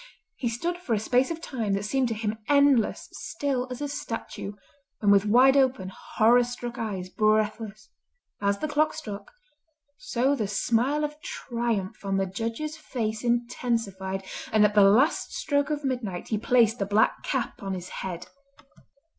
He stood for a space of time that seemed to him endless still as a statue, and with wide open, horror struck eyes, breathless. As the clock struck, so the smile of triumph on the Judge's face intensified, and at the last stroke of midnight he placed the black cap on his head.